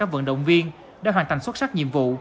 vận động viên đã hoàn thành xuất sắc nhiệm vụ